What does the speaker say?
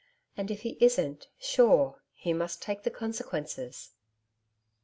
'And if he isn't, sure, he must take the consequences.'